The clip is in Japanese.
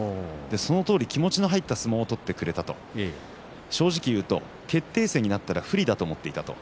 そのとおり気持ちの入った相撲を取ってくれた正直言うと決定戦になったら不利だと思っていた。